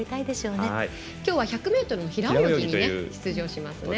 きょうは１００ｍの平泳ぎに出場しますね。